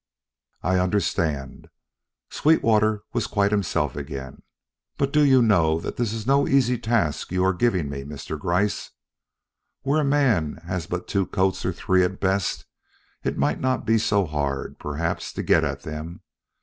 "I understand." Sweetwater was quite himself again. "But do you know that this is no easy task you are giving me, Mr. Gryce. Where a man has but two coats, or three at best, it might not be so hard, perhaps, to get at them.